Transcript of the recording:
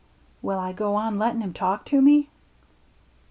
" Will I go on lettin' him talk to me